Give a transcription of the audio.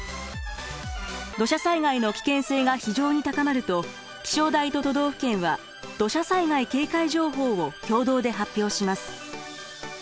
土砂災害の危険性が非常に高まると気象台と都道府県は土砂災害警戒情報を共同で発表します。